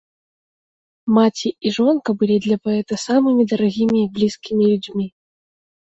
Маці і жонка былі для паэта самымі дарагімі і блізкімі людзьмі.